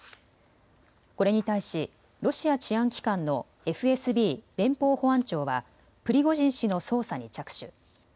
これに対しロシア治安機関のＦＳＢ・連邦保安庁はプリゴジン氏の捜査に着手。